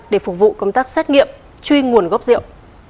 để phục vụ công tác xét nghiệm truy nguồn gốc rượu